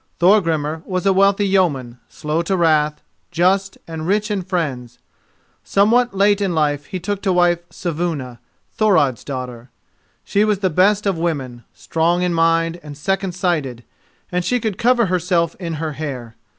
Thorgrimur was a wealthy yeoman, slow to wrath, just, and rich in friends. Somewhat late in life he took to wife Saevuna, Thorod's daughter. She was the best of women, strong in mind and second sighted, and she could cover herself in her hair.